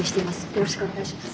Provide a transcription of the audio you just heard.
よろしくお願いします。